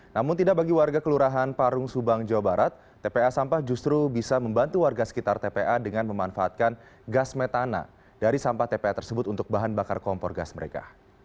namun tidak bagi warga kelurahan parung subang jawa barat tpa sampah justru bisa membantu warga sekitar tpa dengan memanfaatkan gas metana dari sampah tpa tersebut untuk bahan bakar kompor gas mereka